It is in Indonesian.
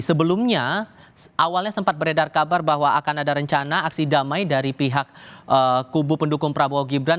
sebelumnya awalnya sempat beredar kabar bahwa akan ada rencana aksi damai dari pihak kubu pendukung prabowo gibran